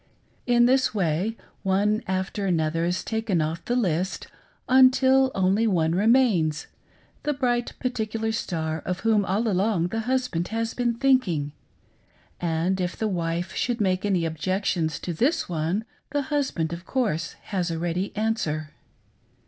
In this way, one after another is taken off the list, until only one remains — the bright particular star of whom all along the husband has been thinking, — and if the wife should make any objections to this one, the husband, of course, has a ready answer.